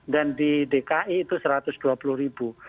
dan di dki itu satu ratus dua puluh ribu